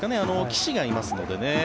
岸がいますのでね。